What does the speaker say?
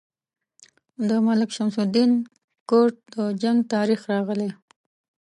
د ملک شمس الدین کرت د جنګ تاریخ راغلی.